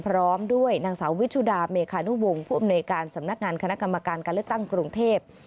พร้อมด้วยนางสาววิชุดาเมคานุวงศ์ผู้อำนวยการสำนักงานคณะกรรมการการเลือกตั้งกรุงเทพ